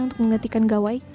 untuk menghentikan gawai